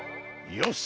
よし。